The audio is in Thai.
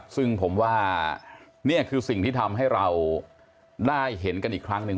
ซึ่งผมว่านี่คือสิ่งที่ทำให้เราได้เห็นกันอีกครั้งหนึ่ง